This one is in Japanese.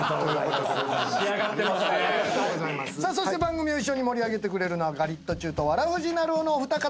そして番組を一緒に盛り上げてくれるのはガリットチュウとわらふぢなるおのお二方。